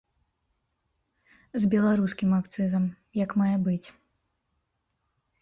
З беларускім акцызам, як мае быць.